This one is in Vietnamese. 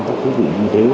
của quốc trang như thế